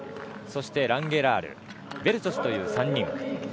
そして、ランゲラールベルチョスという３人。